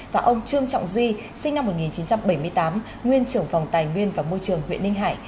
và ông trương trọng duy sinh năm một nghìn chín trăm bảy mươi tám nguyên trưởng phòng tài nguyên và môi trường huyện ninh hải